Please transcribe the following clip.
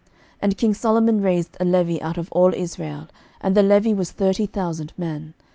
11:005:013 And king Solomon raised a levy out of all Israel; and the levy was thirty thousand men.